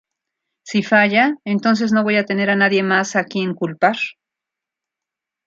Si falla, entonces no voy a tener a nadie más a quien culpar".